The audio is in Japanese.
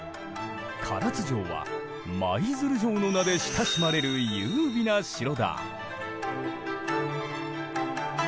唐津城は舞鶴城の名で親しまれる優美な城だ。